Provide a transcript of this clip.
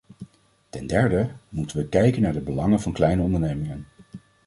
Ten derde, moeten we kijken naar de belangen van kleine ondernemingen?